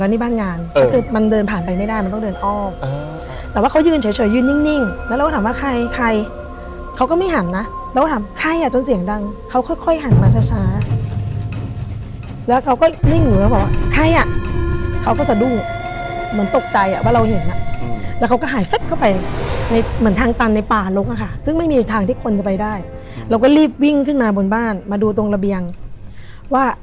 นี่บ้านงานก็คือมันเดินผ่านไปไม่ได้มันต้องเดินอ้อมแต่ว่าเขายืนเฉยยืนนิ่งแล้วเราก็ถามว่าใครใครเขาก็ไม่หันนะเราก็ถามใครอ่ะจนเสียงดังเขาค่อยค่อยหันมาช้าแล้วเขาก็นิ่งอยู่แล้วบอกว่าใครอ่ะเขาก็สะดุ้งเหมือนตกใจอ่ะว่าเราเห็นอ่ะแล้วเขาก็หายแซ่บเข้าไปในเหมือนทางตันในป่าลกอะค่ะซึ่งไม่มีทางที่คนจะไปได้เราก็รีบวิ่งขึ้นมาบนบ้านมาดูตรงระเบียงว่า